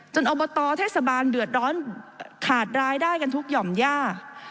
อบตเทศบาลเดือดร้อนขาดรายได้กันทุกหย่อมย่า